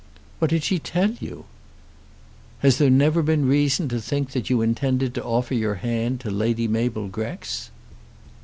"What did she tell you?" "Has there never been reason to think that you intended to offer your hand to Lady Mabel Grex?"